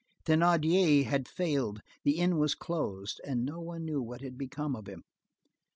Thénardier had failed, the inn was closed, and no one knew what had become of him.